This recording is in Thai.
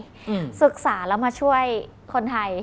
ศึกษาแล้วมาช่วยคนไทย